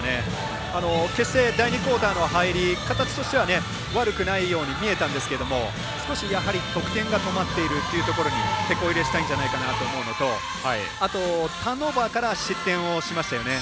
決して、第２クオーターの入り、形としては悪くないように見えたんですけど少し、得点がとまっているというところにてこ入れしたいんじゃないかなというところとあとターンオーバーから失点をしましたよね。